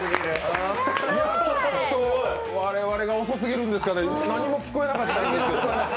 ちょっと我々が遅すぎるんですかね、何も聞こえなかった。